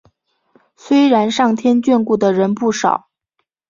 虽然上天眷顾的人不少